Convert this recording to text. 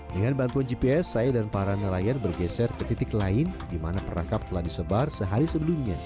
dengan bantuan gps saya dan para nelayan bergeser ke titik lain di mana perangkap telah disebar sehari sebelumnya